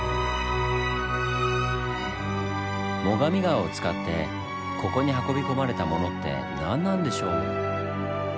最上川を使ってここに運び込まれたものって何なんでしょう？